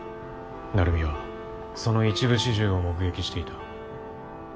成海はその一部始終を目撃していた。